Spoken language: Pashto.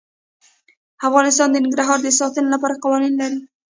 افغانستان د ننګرهار د ساتنې لپاره قوانین لري.